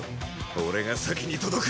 俺が先に届く！